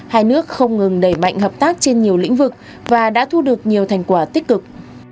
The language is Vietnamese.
hai nước không ngừng đẩy mạnh hợp tác trên nhiều lĩnh vực và đã thu được nhiều thành quả tích cực